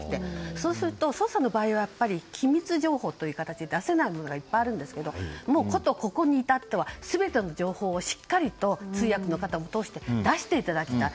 そうすると捜査の場合は機密情報という形で出せないものがいっぱいあるんですがことここに至っては全ての情報をしっかりと通訳の方を通して出していただきたい。